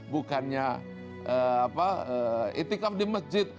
bukannya itikaf di masjid